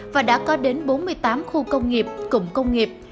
và đã có đến bốn mươi tám khu công nghiệp cụm công nghiệp